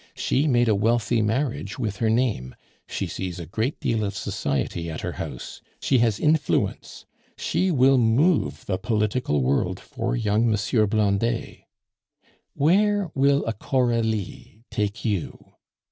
She made a wealthy marriage with her name; she sees a great deal of society at her house; she has influence, she will move the political world for young M. Blondet. Where will a Coralie take you?